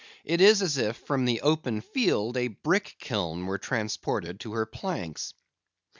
It is as if from the open field a brick kiln were transported to her planks.